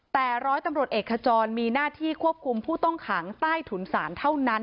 แต่ร้อยตำรวจเอกขจรมีหน้าที่ควบคุมผู้ต้องขังใต้ถุนศาลเท่านั้น